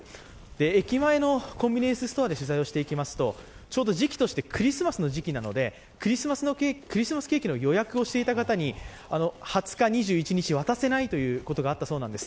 駅前のコンビニエンスストアで取材をしていきますと、ちょうどクリスマスの時期なので、クリスマスケーキの予約をしていた方に２０日、２１日、渡せないということがあった荘なんです。